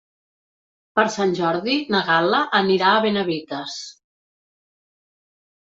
Per Sant Jordi na Gal·la anirà a Benavites.